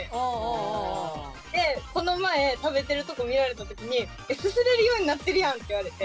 でこの前食べてるところ見られた時に「すすれるようになってるやん」って言われて。